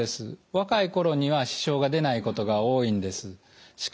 若い頃には支障が出ないことが多いんです。